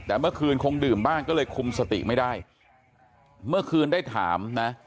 แต่เมื่อคืนคงดื่มบ้างก็เลยคุมสติไม่ได้เมื่อคืนได้ถามนะ